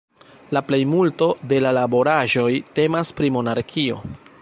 La plejmulto de la laboraĵoj temas pri monarkio.